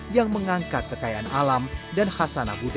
yang mengangkat kekayaan alam dan hasanah budaya